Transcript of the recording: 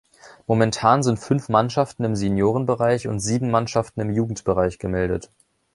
Momentan sind fünf Mannschaften im Seniorenbereich und sieben Mannschaften im Jugendbereich gemeldet.